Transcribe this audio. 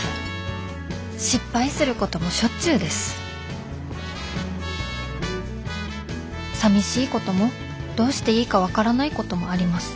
失敗することもしょっちゅうですさみしいこともどうしていいか分からないこともあります